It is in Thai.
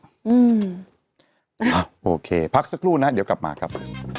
โอเคพักสักครู่นะฮะเดี๋ยวกลับมาครับ